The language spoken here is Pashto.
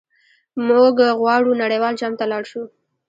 موږ غواړو نړیوال جام ته لاړ شو.